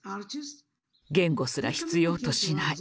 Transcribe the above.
言語すら必要としない。